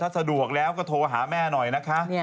สะดวกแล้วก็โทรหาแม่หน่อยนะคะ